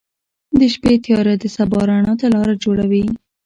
• د شپې تیاره د سبا رڼا ته لاره جوړوي.